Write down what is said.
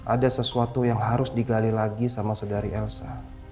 ada sesuatu yang harus digali lagi sama saudari elsa